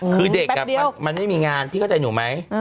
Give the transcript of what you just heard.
คือเด็กมันไม่มีงานพี่เข้าใจหนูไหม